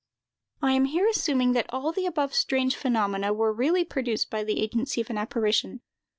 I am here assuming that all the above strange phenomena were really produced by the agency of an apparition.